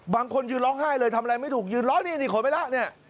บางคนยืนร้องไห้เลยทำอะไรไม่ถูกยืนร้องนี่นี่ขนไปแล้วเนี่ย